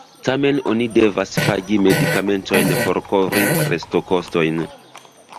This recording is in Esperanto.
Tamen oni devas pagi medikamentojn por kovri restokostojn.